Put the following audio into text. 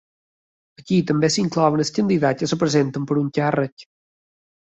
Aquí també s'inclouen els candidats que es presenten per a un càrrec.